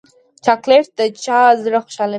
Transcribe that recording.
چاکلېټ د چا زړه خوشحالوي.